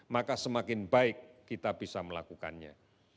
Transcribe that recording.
maka semakin baik kita bisa melakukannya